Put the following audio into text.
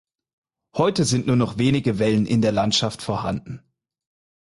Heute sind nur noch wenige Wellen in der Landschaft vorhanden.